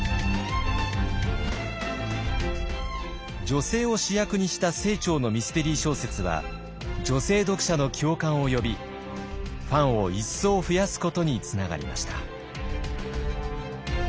女性を主役にした清張のミステリー小説は女性読者の共感を呼びファンを一層増やすことにつながりました。